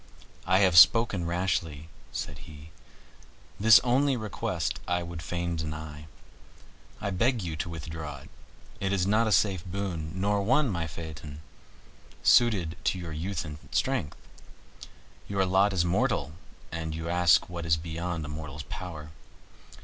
"I have spoken rashly," said he; "this only request I would fain deny. I beg you to withdraw it. It is not a safe boon, nor one, my Phaeton, suited to your youth and strength. Your lot is mortal, and you ask what is beyond a mortal's power.